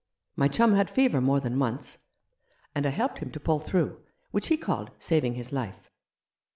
My chum had fever more than once, and I helped him to pull through, which he called saving his life.